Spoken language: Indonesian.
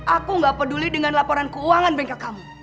aku gak peduli dengan laporan keuangan bengkel kamu